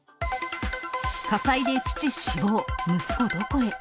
火災で父死亡、息子どこへ？